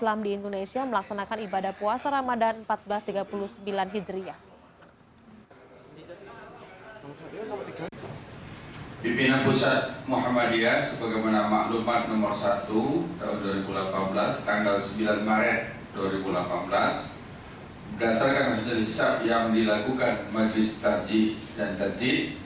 berdasarkan riset hisab yang dilakukan majlis tarjih dan terti